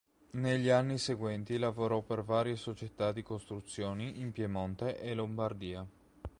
Negli anni seguenti lavorò per varie società di costruzioni in Piemonte e Lombardia.